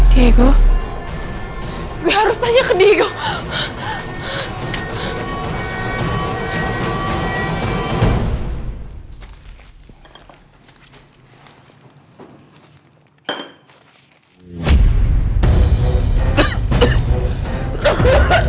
dia itu dia harus tanya ke dia itu